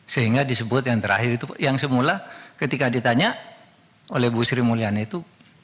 sehingga disebut yang terakhir itu yang semula ketika ditanya oleh bu sri mulyani itu